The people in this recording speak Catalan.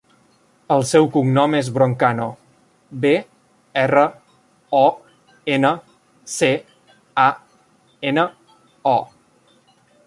El seu cognom és Broncano: be, erra, o, ena, ce, a, ena, o.